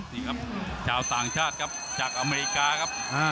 ก็เป็นชาวต่างชาติเซอะจากอเมริกา